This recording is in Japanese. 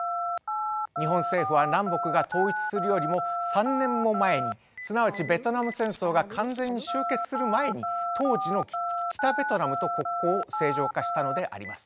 日本政府は南北が統一するよりも３年も前にすなわちベトナム戦争が完全に終結する前に当時の北ベトナムと国交を正常化したのであります。